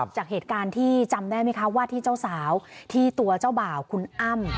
จากเหตุการณ์ที่จำได้ไหมคะว่าที่เจ้าสาวที่ตัวเจ้าบ่าวคุณอ้ำ